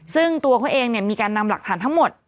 ซึ่งตัวเขาเองมีการนำหลักฐานทั้งหมด